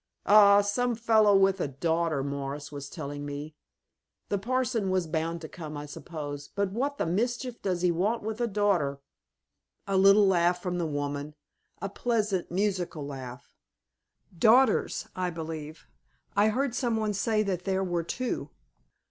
"Ay, some fellow with a daughter, Morris was telling me. The parson was bound to come, I suppose, but what the mischief does he want with a daughter?" A little laugh from the woman a pleasant, musical laugh. "Daughters, I believe I heard some one say that there were two.